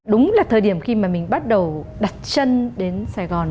đúng là thời điểm khi mà mình bắt đầu đặt chân đến sài gòn